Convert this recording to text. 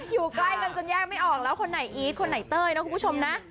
อยู่ใกล้กันจนแยกไม่ออกแล้วคนไหนอีทคนไหนเต้ยนะคุณผู้ชมนะ